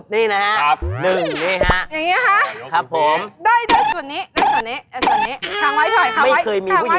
นี่สิพี่ขอยมองขึ้นพี่ขอยมองขึ้น